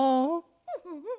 フフフ。